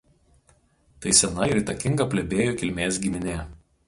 Tai sena ir įtakinga plebėjų kilmės giminė.